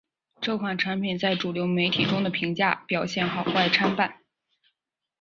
这款产品在主流媒体中的评价表现好坏参半。